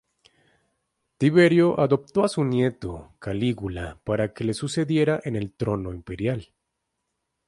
Tiberio adoptó a su nieto Calígula para que le sucediera en el trono imperial.